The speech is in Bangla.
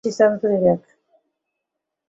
বিশেষ তদন্ত বিভাগ!